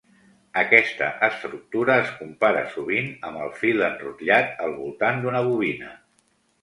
Aquesta estructura es compara sovint amb el fil enrotllat al voltant d'una bobina.